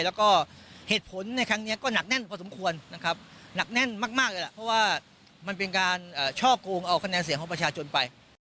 แล้วก็เหตุผลในครั้งนี้ก็หนักแน่นพอสมควรนะครับหนักแน่นมากเลยล่ะเพราะว่ามันเป็นการช่อกงเอาคะแนนเสียงของประชาชนไป